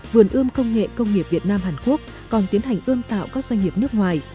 vườn ươm công nghệ công nghiệp việt nam hàn quốc còn tiến hành ươm tạo các doanh nghiệp nước ngoài